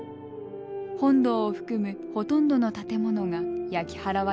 本堂を含むほとんどの建物が焼き払われました。